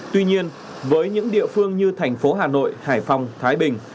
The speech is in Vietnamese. tuy nhiên với những địa phương như thành phố hà nội hải phòng thái bình